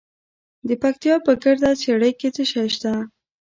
د پکتیا په ګرده څیړۍ کې څه شی شته؟